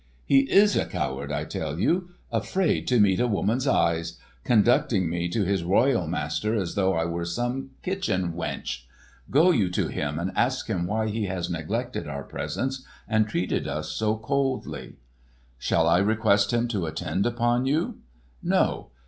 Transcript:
"He is a coward, I tell you! Afraid to meet a woman's eyes! Conducting me to his royal master as though I were some kitchen wench! Go you to him and ask him why he has neglected our presence and treated us so coldly." "Shall I request him to attend upon you?" "No.